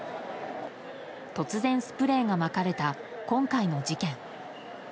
突然、スプレーがまかれた今回の事件。